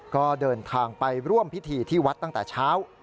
ก็เดินทางไปร่วมพิธีที่วัดตั้งแต่เช้า